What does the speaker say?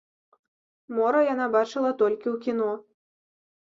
Мора яна бачыла толькі ў кіно.